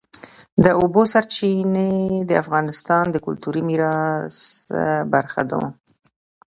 د اوبو سرچینې د افغانستان د کلتوري میراث برخه ده.